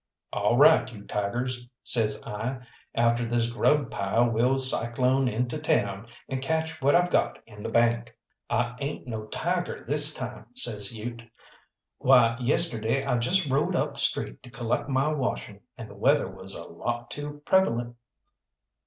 "All right, you tigers," says I, "after this grub pile we'll cyclone into town and catch what I've got in the bank." "I ain't no tiger this time," says Ute. "Why, yesterday I just rode up street to collect my washing, and the weather was a lot too prevalent."